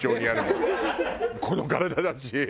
この体だし。